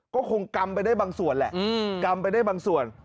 ก็คงกำไปได้บางส่วนแหละกำไปได้บางส่วน